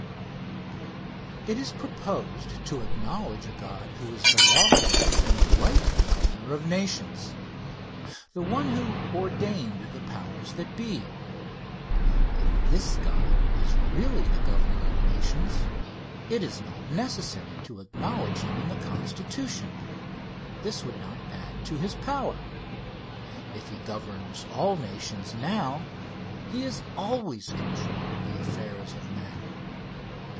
It is proposed to acknowledge a God who is the lawful and rightful Governor of nations; the one who ordained the powers that be. If this God is really the Governor of nations, it is not necessary to acknowledge him in the Constitution. This would not add to his power. If he governs all nations now, he has always controlled the affairs of men.